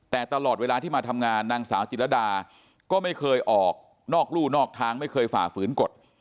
แต่ตลอดเวลาที่มาทำงานนางสาวจิตรดาก็ไม่เคยออกนอกรู่นอกทางไม่เคยฝ่าฝืนกฎ